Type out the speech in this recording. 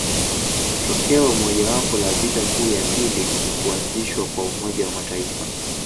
Tokeo mojawapo la vita kuu ya pili ni kuanzishwa kwa Umoja wa Mataifa.